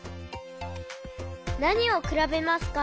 なにをくらべますか？